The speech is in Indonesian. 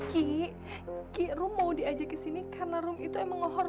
ya allah ki rum mau diajak ke sini karena rum itu emang ngorban